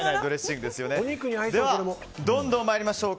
ではどんどん参りましょう。